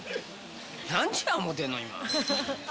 何時や思ってんの、今、